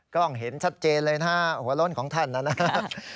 กล้องเห็นชัดเจนเลยนะฮะหัวล้นของท่านนะครับ